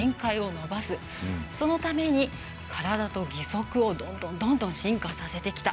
そのために体と義足をどんどん進化させてきた。